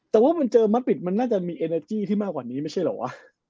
แต่ว่ามันเจอมัดปิดมันน่าจะมีเอเนอร์จี้ที่มากกว่านี้ไม่ใช่เหรอวะ